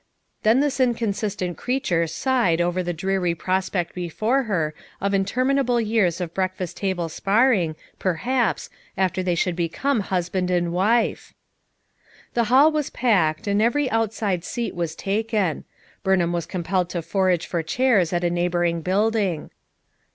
Then this in consistent creature sighed over the dreary prospect before her of interminable years of breakfast table sparring, perhaps, after they should become husband and wife I The hall was packed, and every outside seat FOUR MOTHERS AT CHAUTAUQUA 189 was taken. Bumliam was compelled to forage for chairs at a neighboring building.